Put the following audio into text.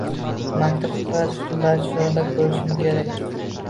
Makni qutqarish uchun barcha choralarni ko`rishim kerak